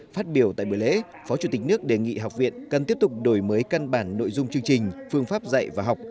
phát biểu tại buổi lễ phó chủ tịch nước đề nghị học viện cần tiếp tục đổi mới căn bản nội dung chương trình phương pháp dạy và học